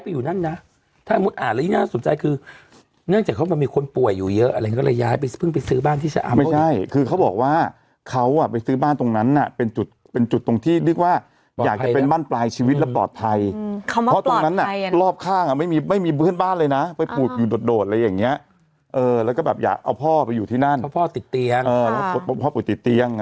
เอาล่ะกลับมากันวันนี้วันมรึตตะยูย้ายค่าหลายวันมรึตตะยูย้ายอยู่ข้างผมนี่